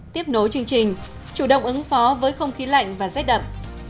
tiếp nối chương trình chủ động ứng phó với không khí lạnh và rét đậm